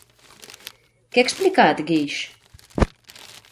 Què ha explicat Guix?